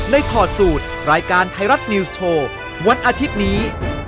ถอดสูตรรายการไทยรัฐนิวส์โชว์วันอาทิตย์นี้